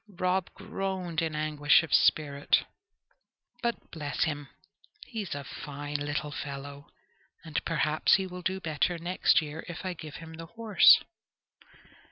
Rob groaned in anguish of spirit. "But, bless him! he's a fine little fellow, and perhaps he will do better next year if I give him the horse."